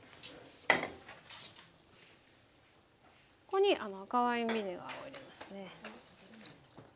ここに赤ワインビネガーを入れますね。